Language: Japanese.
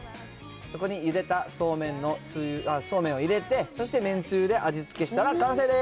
そこにゆでたそうめんを入れて、そして麺つゆで味付けしたら完成です。